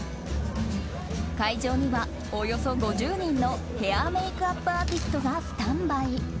会場には、およそ５０人のヘアメイクアップアーティストがスタンバイ。